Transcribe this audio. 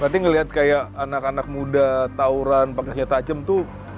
berarti ngeliat kayak anak anak muda tauran pakai senjata tajam tuh